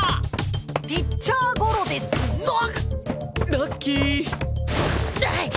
ラッキー！